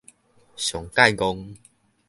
上蓋戇